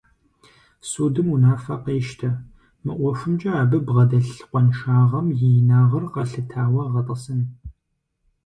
Судым унафэ къещтэ: мы ӀуэхумкӀэ абы бгъэдэлъ къуаншагъэм и инагъыр къэлъытауэ гъэтӀысын!